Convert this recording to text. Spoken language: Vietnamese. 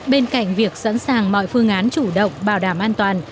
bên cạnh việc sẵn sàng mọi phương án chủ động bảo đảm an toàn